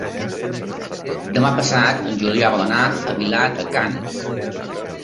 Demà passat en Julià vol anar a Vilar de Canes.